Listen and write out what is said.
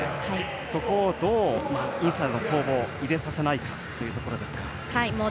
そこをどうインサイドの攻防入れさせないというところでしょうか。